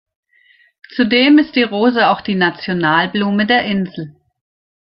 Zudem ist die Rose auch die Nationalblume der Insel.